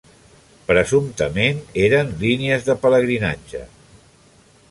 Presumptament eren línies de pelegrinatge.